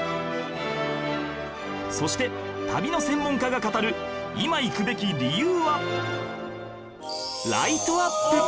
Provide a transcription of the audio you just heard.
そして旅の専門家が語る今行くべき理由は